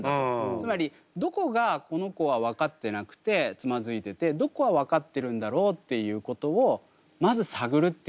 つまりどこがこの子は分かってなくてつまずいててどこは分かってるんだろうっていうことをまず探るっていうこと。